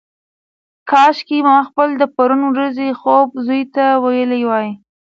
کاشکي ما خپل د پرون ورځې خوب زوی ته ویلی وای.